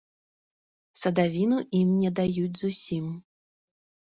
Садавіну ім не даюць зусім.